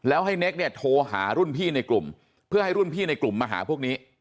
แล้วให้เน็กเนี่ยโทรหารุ่นพี่ในกลุ่มเพื่อให้รุ่นพี่ในกลุ่มมาหาพวกนี้